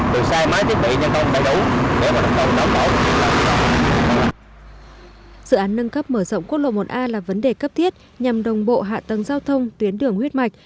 dự án nâng cấp mở rộng quốc lộ một a đoạn bình sơn đến sơn tịnh tỉnh quảng ngãi được khởi công từ năm hai nghìn một mươi bảy